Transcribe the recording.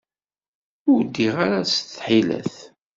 Ur ddiɣ ara s tḥilet.